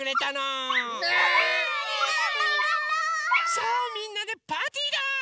さあみんなでパーティーだ！